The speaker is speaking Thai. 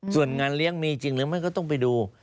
ส่วนงานเลี้ยงมีจริงหรือไม่ก็ต้องไปดู